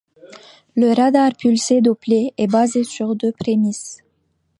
Le radar pulsé Doppler est basé sur deux prémisses.